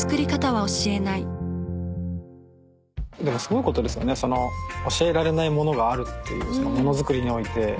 でもすごいことですよね教えられないものがあるっていうもの作りにおいて。